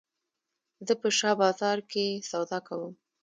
زه په شاه بازار کښي سودا کوم.